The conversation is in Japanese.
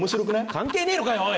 関係ねえのかよおい！